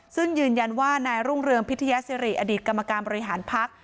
ซึ่งยืนยันว่านายรุ่งเรืองพิทยาศิริอดีตกรรมการบริหารพัก